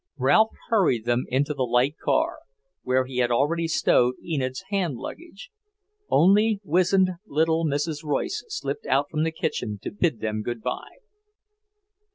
Ralph hurried them into the light car, where he had already stowed Enid's hand luggage. Only wizened little Mrs. Royce slipped out from the kitchen to bid them good bye.